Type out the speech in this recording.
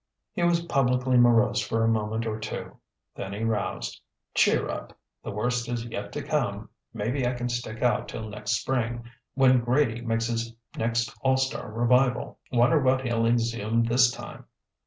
He was publicly morose for a moment or two. Then he roused: "Cheer up! The worst is yet to come. Maybe I can stick out till next spring, when Grady makes his next all star revival. Wonder what he'll exhume this time?